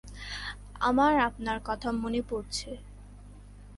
আমার আপনার কথা মনে পরছে।